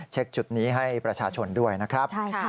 เช็คจุดนี้ให้ประชาชนด้วยนะครับใช่ค่ะ